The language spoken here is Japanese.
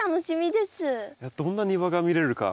どんな庭が見れるか。